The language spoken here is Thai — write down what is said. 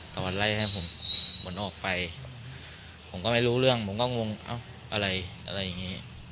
ตอนไล่ให้ผมเหมือนออกไปผมก็ไม่รู้เรื่องผมก็งงเอ้าอะไรอะไรอย่างนี้